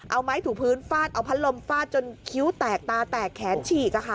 เอาไม้ถูกพื้นฟาดเอาพัดลมฟาดจนคิ้วแตกตาแตกแขนฉีก